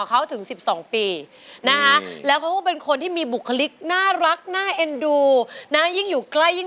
กลับไปทำการบ้านนิดนึง